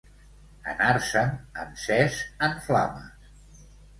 Anar-se'n encés en flames.